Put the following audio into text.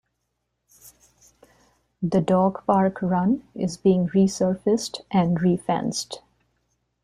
The dog park run is being resurfaced and re-fenced.